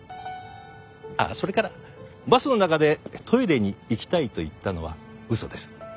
ああそれからバスの中でトイレに行きたいと言ったのは嘘です。